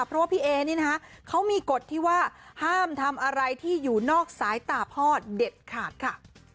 เพราะว่าพี่เอนี่นะคะเขามีกฎที่ว่าห้ามทำอะไรที่อยู่นอกสายตาพ่อเด็ดขาดค่ะ